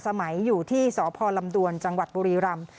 สมัยอยู่ที่สพลำดวนจังหวัดบุรีรำ